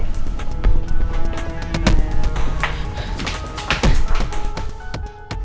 jangan lupa langsung berikuti